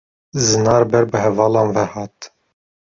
Zinar ber bi hevalan ve hat.